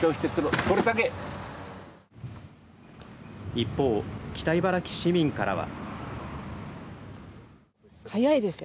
一方、北茨城市民からは。